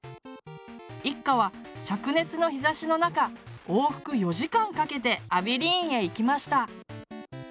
一家はしゃく熱の日ざしの中往復４時間かけてアビリーンへ行きました。